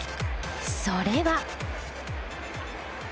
それは。